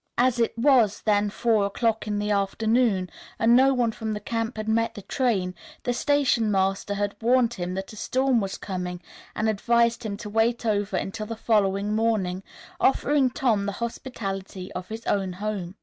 As it was then four o'clock in the afternoon and no one from the camp had met the train, the station master had warned him that a storm was coming and advised him to wait over until the following morning, offering Tom the hospitality of his own home.